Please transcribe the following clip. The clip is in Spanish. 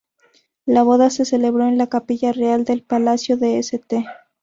La boda se celebró en la Capilla Real del Palacio de St.